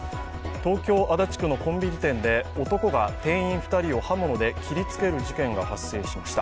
東京・足立区のコンビニ店で男が店員２人を刃物で切りつける事件が発生しました。